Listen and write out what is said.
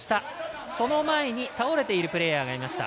倒れているプレーヤーがいました。